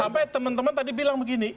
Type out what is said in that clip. sampai teman teman tadi bilang begini